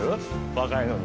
若いのに。